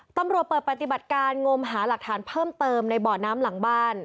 ตำรวจเปิดปฏิบัติการงมหาหลักฐานเพิ่มเติมในบ่อน้ำหลังบ้าน